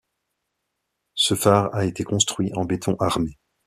Ce phare a été construit en béton armé.